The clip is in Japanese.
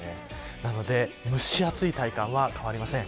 なので蒸し暑い体感は変わりません。